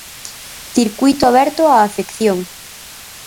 Circuíto aberto á afección.